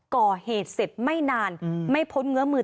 ก่อเหตุเสร็จไม่นานไม่พ้นเงื้อมือ